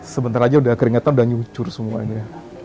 sebentar aja udah keringetan udah nyucur semuanya